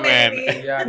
ini paling baik